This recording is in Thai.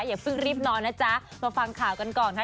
อย่าเพิ่งรีบนอนนะจ๊ะมาฟังข่าวกันก่อนค่ะ